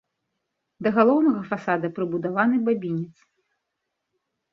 Да галоўнага фасада прыбудаваны бабінец.